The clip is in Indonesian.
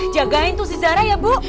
jagain tuh si zara ya bu